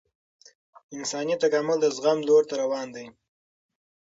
انساني تکامل د زغم لور ته روان دی